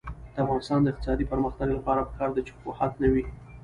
د افغانستان د اقتصادي پرمختګ لپاره پکار ده چې افواهات نه وي.